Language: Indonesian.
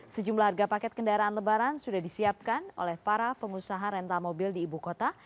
sejumlah harga paket kendaraan lebaran sudah disiapkan oleh para pengusaha rental mobil di ibu kota